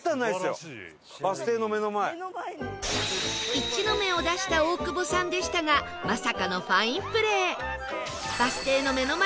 「１」の目を出した大久保さんでしたがまさかのファインプレー